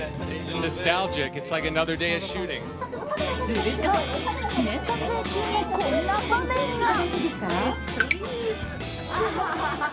すると、記念撮影中にこんな場面が。